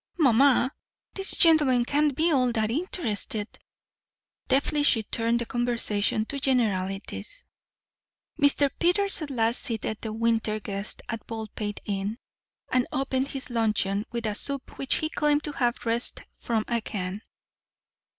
"Mamma, these gentlemen can't be at all interested." Deftly she turned the conversation to generalities. Mr. Peters at last seated the winter guests of Baldpate Inn, and opened his luncheon with a soup which he claimed to have wrested from a can.